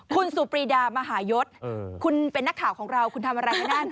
คุณสุปรีดามหายศคุณเป็นนักข่าวของเราคุณทำอะไรให้นั่น